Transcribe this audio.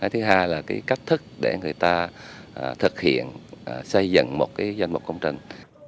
thứ hai là cách thức để người ta thực hiện xây dựng một danh mục công trình